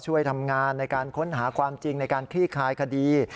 ช่วยทำงานในการค้นหาความจริงในการคลี่คลายคดี